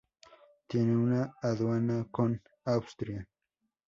Tiene una aduana con Austria.